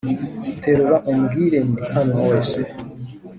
terura umbwire ndi hano wese